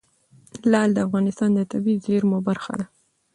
لعل د افغانستان د طبیعي زیرمو برخه ده.